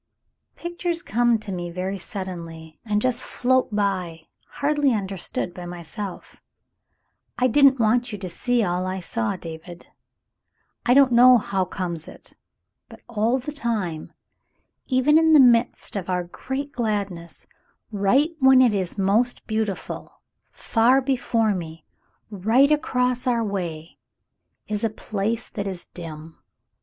"Pictures come to me very suddenly and just float by, hardly understood by myself. I didn't w^ant you to see all I saw, David. I don't know how comes it, but all the The Summer Passes 205 time, even in the midst of our great gladness — right when it is most beautiful — far before me, right across our way, is a place that is dim.